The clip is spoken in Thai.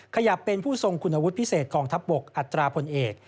ขยับเป็นผู้ทรงคุณวุฒิพิเศษกองทัพบกอัตราพลเอก